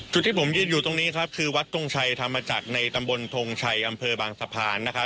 ที่ผมยืนอยู่ตรงนี้ครับคือวัดทงชัยธรรมจักรในตำบลทงชัยอำเภอบางสะพานนะครับ